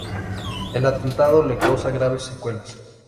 El atentado le causó graves secuelas.